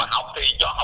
rất là khó khăn